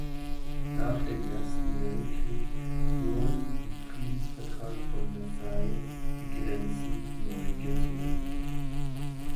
Nach dem Ersten Weltkrieg wurden im Friedensvertrag von Versailles die Grenzen neu gezogen.